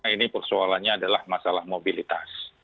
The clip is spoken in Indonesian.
ini persoalannya adalah masalah mobilitas